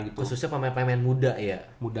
khususnya pemain pemain muda ya